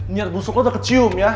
niat busuk lo udah kecium ya